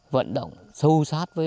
vận động sâu sắc và tự tin